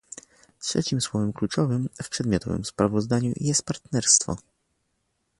Trzecim słowem kluczowym w przedmiotowym sprawozdaniu jest partnerstwo